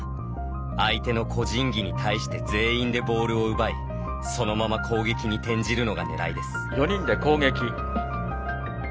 相手の個人技に対して全員でボールを奪いそのまま攻撃に転じるのが狙いです。